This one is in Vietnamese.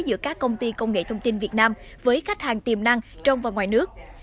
giữa các công ty công nghệ thông tin việt nam với khách hàng tiềm năng trong và ngoài nước